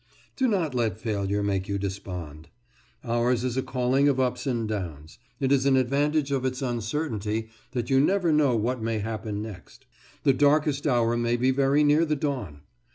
Do not let failure make you despond. Ours is a calling of ups and downs; it is an advantage of its uncertainty that you never know what may happen next; the darkest hour may he very near the dawn.